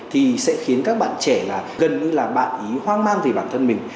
thì sẽ khiến các bạn trẻ là gần như là bạn ý hoang mang vì bản thân mình